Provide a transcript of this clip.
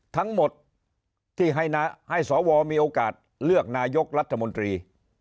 ทั้งหมดที่ให้สวมีโอกาสเลือกนายกรัฐมนตรี